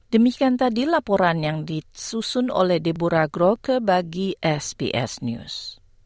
demikian tadi laporan yang disusun oleh deborah grocke bagi sbs news